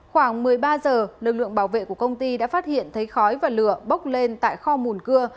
khoảng một mươi ba giờ lực lượng bảo vệ của công ty đã phát hiện thấy khói và lửa bốc lên tại kho mùn cưa